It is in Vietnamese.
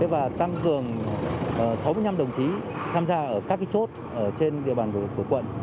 và tăng cường sáu mươi năm đồng chí tham gia ở các chốt trên địa bàn của quận